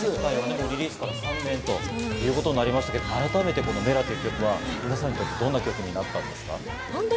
リリースから３年ということになりましたけれども改めて、この『Ｍｅｌａ！』という曲はどんな曲になったんですか？